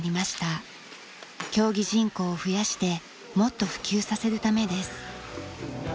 競技人口を増やしてもっと普及させるためです。